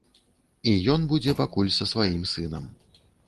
І ён будзе пакуль са сваім сынам.